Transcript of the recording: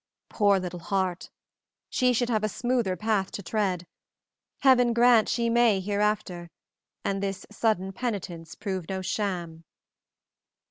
"Poor little heart! She should have a smoother path to tread. Heaven grant she may hereafter; and this sudden penitence prove no sham."